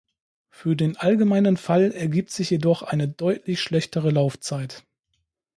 Für den allgemeinen Fall ergibt sich jedoch eine deutlich schlechtere Laufzeit.